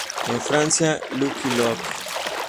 En Francia, "Lucky Luke".